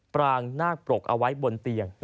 ปรางนาคปรกเอาไว้บนเตียง